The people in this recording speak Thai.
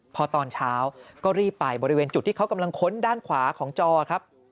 พอตอนเช้าก็รีบไปบริเวณจุดที่เขากำลังค้นด้านขวาของจอครับ